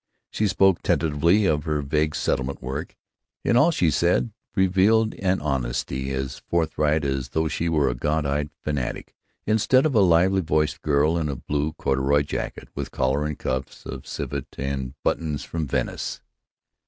She spoke tentatively of her vague settlement work; in all she said she revealed an honesty as forthright as though she were a gaunt eyed fanatic instead of a lively voiced girl in a blue corduroy jacket with collar and cuffs of civet and buttons from Venice.